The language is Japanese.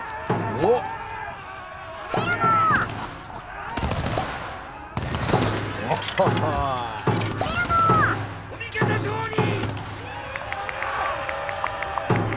・お味方勝利！